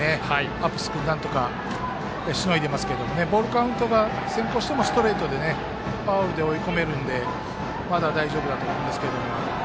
ハッブス君なんとかしのいでますけどボールカウントが先行してもストレートでファウルで追い込めるのでまだ大丈夫だと思うんですけど。